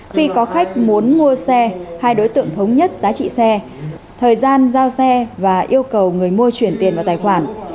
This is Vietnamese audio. khi có khách muốn mua xe hai đối tượng thống nhất giá trị xe thời gian giao xe và yêu cầu người mua chuyển tiền vào tài khoản